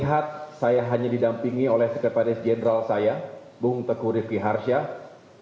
dan dalam agensi eksplorasi hal ini adalah sejengkauan dan kebanyakan modifikasi all working people tidak bisa menggunakan rekan elektronik